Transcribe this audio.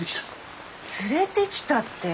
連れてきたって。